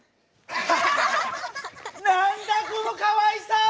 何だこのかわいさ！